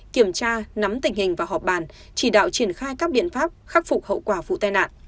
kiểm tra nắm tình hình và họp bàn chỉ đạo triển khai các biện pháp khắc phục hậu quả vụ tai nạn